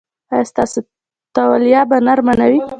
ایا ستاسو تولیه به نرمه نه وي؟